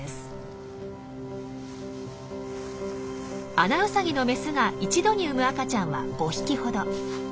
アナウサギのメスが一度に産む赤ちゃんは５匹ほど。